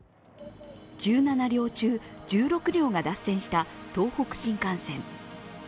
１７両中１６両が脱線した東北新幹線。